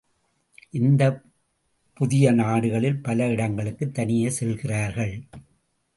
இந்தப் புதிய நாடுகளில் பல இடங்களுக்குத் தனியே செல்கிறார்கள்.